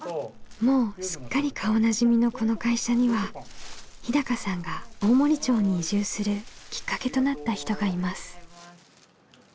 もうすっかり顔なじみのこの会社には日さんが大森町に移住するきっかけとなった人がいます。